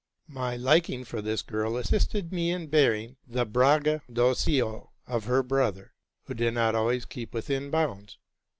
My liking for this girl assisted me in bearing the bragga docio of her brother, who did not always keep within bounds.